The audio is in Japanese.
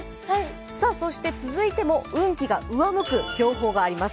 続いても運気が上向く情報があります。